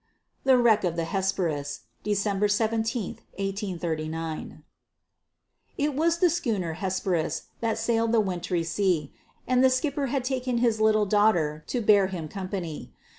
THE WRECK OF THE HESPERUS [December 17, 1839] It was the schooner Hesperus, That sailed the wintry sea; And the skipper had taken his little daughtèr, To bear him company.